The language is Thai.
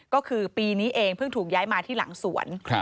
ก็คือปีนี้เองเพิ่งถูกย้ายมาที่หลังสวน